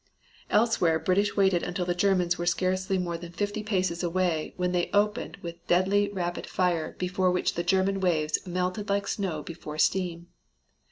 Elsewhere the British waited until the Germans were scarcely more than fifty paces away when they opened with deadly rapid fire before which the German waves melted like snow before steam.